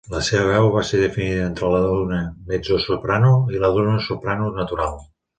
La seva veu va ser definida entre la d'una mezzosoprano i la d'una soprano natural.